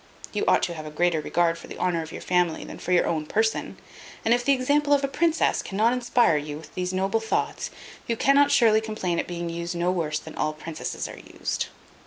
You ought to have a greater regard for the honour of your family than for your own person; and if the example of a princess cannot inspire you with these noble thoughts, you cannot surely complain at being used no worse than all princesses are used."